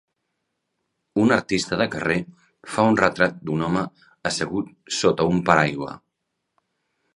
Un artista de carrer fa un retrat d'un home assegut sota un paraigua.